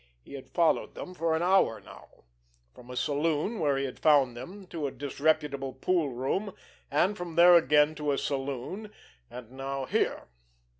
He had followed them for an hour now—from a saloon, where he had found them, to a disreputable pool room, and from there again to a saloon, and now here.